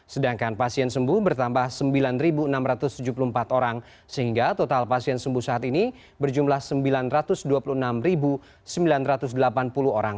sedangkan pasien sembuh bertambah sembilan enam ratus tujuh puluh empat orang sehingga total pasien sembuh saat ini berjumlah sembilan ratus dua puluh enam sembilan ratus delapan puluh orang